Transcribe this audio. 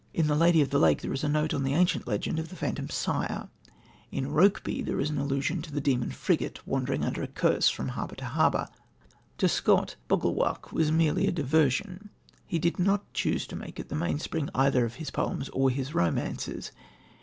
In The Lady of the Lake there is a note on the ancient legend of the Phantom Sire, in Rokeby there is an allusion to the Demon Frigate wandering under a curse from harbour to harbour. To Scott "bogle wark" was merely a diversion. He did not choose to make it the mainspring either of his poems or his romances.